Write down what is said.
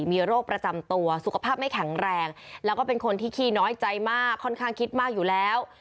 มีโรคประจำตัวสุขภาพไม่แข็งแรงแล้วก็เป็นคนที่ขี้น้อยใจมากค่อนข้างคิดมากอยู่แล้ว